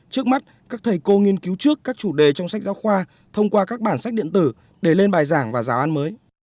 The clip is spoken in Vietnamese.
trước mắt các thầy cô nghiên cứu trước các chủ đề trong sách giáo khoa thông qua các bản sách điện tử để lên bài giảng và giáo an mới